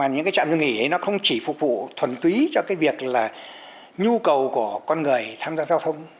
những trạm dừng nghỉ không chỉ phục vụ thuần túy cho nhu cầu của con người tham gia giao thông